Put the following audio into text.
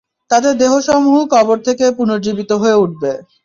তাতে দেহসমূহ কবর থেকে পুনর্জীবিত হয়ে উঠবে।